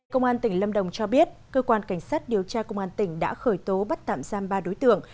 công an tỉnh lâm đồng cho biết cơ quan cảnh sát điều tra công an tỉnh đã khởi tố bắt tạm giam ba đối tượng